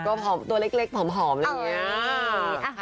ก็ผอมตัวเล็กผอมอะไรอย่างนี้